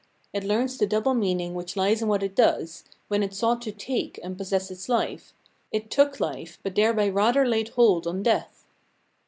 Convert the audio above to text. It learns the double meaning which lies in what it does, when it sought to "take" and possess its life: it "took" hfe, but thereby rather laid hold on death.